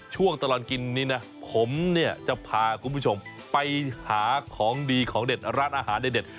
ช่วงตลอดกินนี้นะผมเนี่ยจะพาคุณผู้ชมไปหาของดีของเด็ดร้านอาหารเด็ด